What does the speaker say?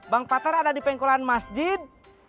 bang patar ada di pengkulan masjid